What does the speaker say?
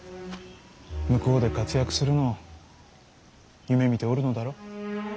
向こうで活躍するのを夢みておるのだろう。